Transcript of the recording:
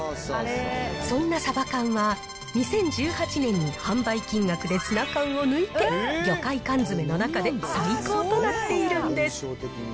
そんなサバ缶は２０１８年に販売金額でツナ缶を抜いて、魚介缶詰の中で最高となっているんです。